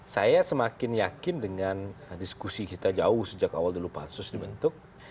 saya semakin yakin dengan diskusi kita jauh sejak awal dulu pansus dibentuk